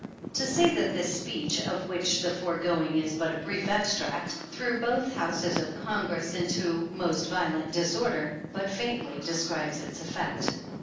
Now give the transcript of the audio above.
To say that this speech, of which the foregoing is but a brief extract, threw both Houses of Congress 35 into most violent disorder, but faintly describes its effect.